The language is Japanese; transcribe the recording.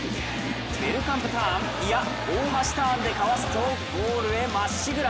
ベルカンプターンいや、オオハシターンでかわすとゴールへまっしぐら。